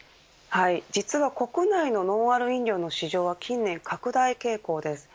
実は国内のノンアル飲料の市場は近年、拡大傾向です。